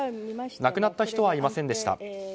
亡くなった人はいませんでした。